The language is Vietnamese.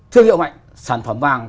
thương hiệu mạnh sản phẩm vàng